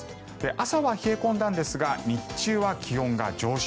朝は冷え込んだんですが日中は気温が上昇。